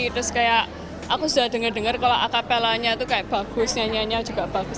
terus kayak aku sudah dengar dengar kalau acapellanya itu kayak bagus nyanyiannya juga bagus